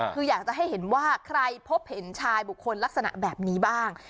คืออยากจะให้เห็นว่าใครพบเห็นชายบุคคลลักษณะแบบนี้บ้าง